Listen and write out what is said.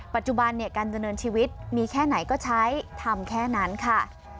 ปัจจุบันการดำเนินชีวิตมีแค่ไหนก็ใช้ทำแค่นั้นค่ะ